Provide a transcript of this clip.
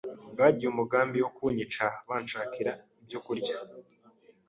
bagiye umugambi wo kunyica banshakira ibyo kurya